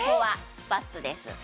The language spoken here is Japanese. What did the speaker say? スパッツで？